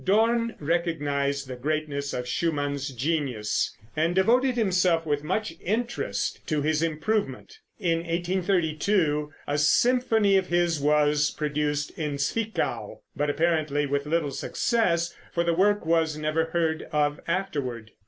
Dorn recognized the greatness of Schumann's genius, and devoted himself with much interest to his improvement. In 1832 a symphony of his was produced in Zwickau, but apparently with little success, for the work was never heard of afterward.